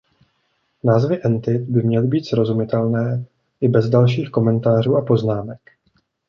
Názvy entit by měly být srozumitelné i bez dalších komentářů a poznámek.